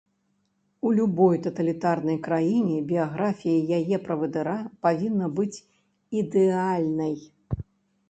У любой таталітарнай краіне біяграфія яе правадыра павінна быць ідэальнай.